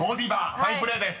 ファインプレーです］